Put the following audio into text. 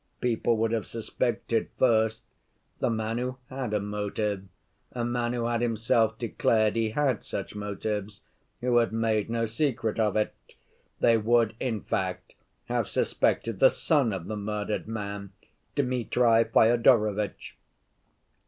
People would have suspected first the man who had a motive, a man who had himself declared he had such motives, who had made no secret of it; they would, in fact, have suspected the son of the murdered man, Dmitri Fyodorovitch.